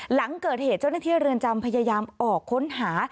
หลังเกิดเหตุเจ้าหน้าที่เรือนจำพยายามออกค้นหา